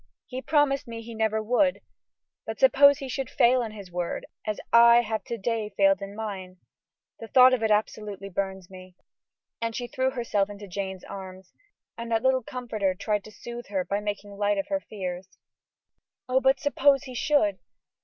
He promised me he never would; but suppose he should fail in his word, as I have to day failed in mine? The thought of it absolutely burns me." And she threw herself into Jane's arms, and that little comforter tried to soothe her by making light of her fears. "Oh! but suppose he should?"